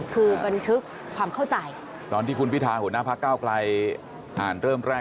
คือบันทึกความเข้าใจตอนที่คุณพิธาหัวหน้าพระเก้าไกลอ่านเริ่มแรก